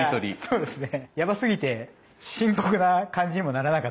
そうですね。